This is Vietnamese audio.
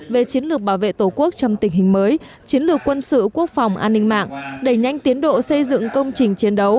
về chiến lược bảo vệ tổ quốc trong tình hình mới chiến lược quân sự quốc phòng an ninh mạng đẩy nhanh tiến độ xây dựng công trình chiến đấu